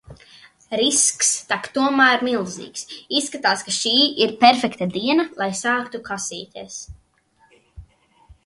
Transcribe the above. Risks tak tomēr milzīgs. Izskatās, ka šī ir perfekta diena lai sāktu kasīties.